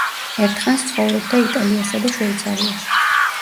ერთხანს ცხოვრობდა იტალიასა და შვეიცარიაში.